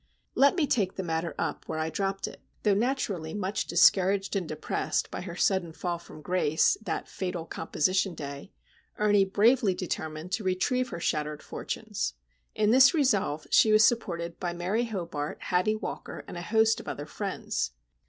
Let me take the matter up where I dropped it. Though naturally much discouraged and depressed by her sudden fall from grace that fatal composition day, Ernie bravely determined to retrieve her shattered fortunes. In this resolve she was supported by Mary Hobart, Hatty Walker, and a host of other friends.